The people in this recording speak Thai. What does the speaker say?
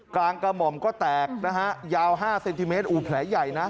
กระหม่อมก็แตกนะฮะยาว๕เซนติเมตรอู๋แผลใหญ่นะ